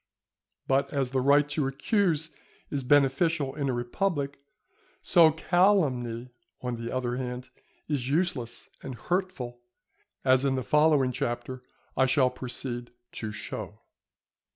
But as the right to accuse is beneficial in a republic, so calumny, on the other hand, is useless and hurtful, as in the following Chapter I shall proceed to show.